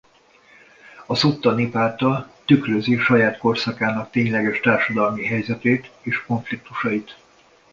A Szutta-nipáta tükrözi saját korszakának tényleges társadalmi helyzetét és konfliktusait.